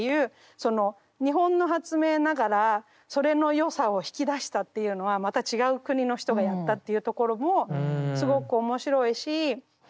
その日本の発明ながらそれの良さを引き出したっていうのはまた違う国の人がやったっていうところもすごく面白いし。